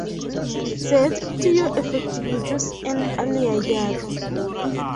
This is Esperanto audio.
Sed tio efektiviĝos en alia jaro.